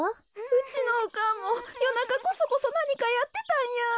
うちのおかんもよなかこそこそなにかやってたんや。